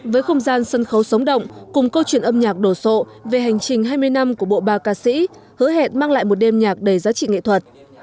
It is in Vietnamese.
với không gian sân khấu sống động cùng câu chuyện âm nhạc đổ sộ về hành trình hai mươi năm của bộ ba ca sĩ hứa hẹn mang lại một đêm nhạc đầy giá trị nghệ thuật